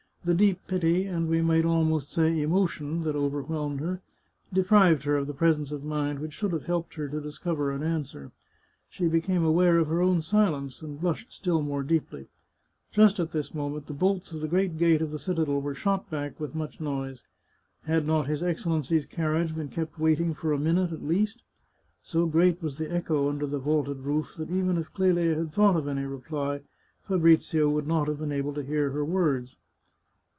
The deep pity, and we might almost say emotion, that overwhelmed her, deprived her of the presence of mind which should have helped her to discover an an swer. She became aware of her own silence, and blushed still more deeply. Just at this moment the bolts of the great gate of the citadel were shot back with much noise. Had not his Excellency's carriage been kept waiting for a minute at least? So great was the echo under the vaulted roof that even if Clelia had thought of any reply, Fabrizio would not have been able to hear her words.